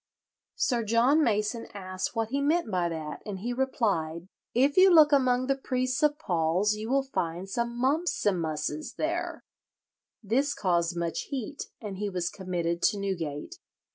"Sir John Mason asked what he meant by that, and he replied, 'If you look among the priests of Paul's you will find some mumpsimusses there.' This caused much heat, and he was committed to Newgate."